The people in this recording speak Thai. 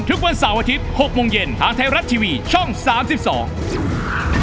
ชัดน้ำตาทำไม